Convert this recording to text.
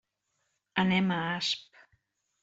Anem a Asp.